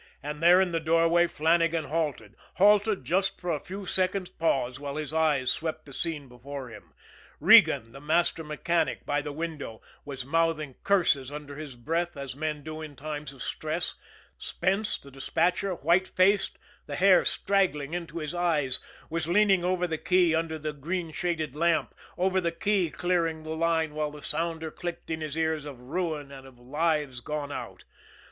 And there in the doorway Flannagan halted halted just for a second's pause while his eyes swept the scene before him. Regan, the master mechanic, by the window, was mouthing curses under his breath as men do in times of stress; Spence, the despatcher, white faced, the hair straggling into his eyes, was leaning over the key under the green shaded lamp, over the key clearing the line while the sounder clicked in his ears of ruin and of lives gone out.